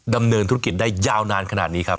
ดำเนินธุรกิจได้ยาวนานขนาดนี้ครับ